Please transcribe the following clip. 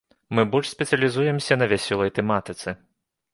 Мы больш спецыялізуемся на вясёлай тэматыцы!